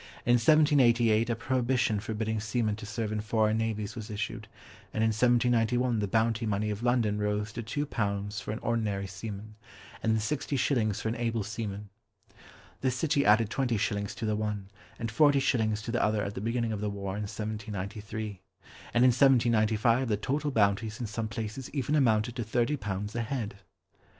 In 1788 a prohibition forbidding seamen to serve in foreign navies was issued, and in 1791 the bounty money of London rose to two pounds for an ordinary seaman, and sixty shillings for an able seaman. The city added twenty shillings to the one, and forty shillings to the other at the beginning of the war in 1793. And in 1795 the total bounties in some places even amounted to thirty pounds a head!